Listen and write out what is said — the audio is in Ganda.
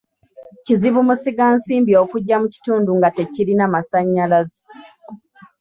Kizibu musigansimbi okujja mu kitundu nga tekirina masannyalaze.